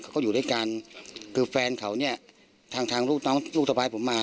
เขาก็อยู่ด้วยกันคือแฟนเขาเนี่ยทางทางลูกน้องลูกสะพายผมมา